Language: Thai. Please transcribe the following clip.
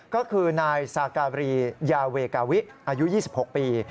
ก็คือนายซาการียาเวกาวิอายุ๒๖ปี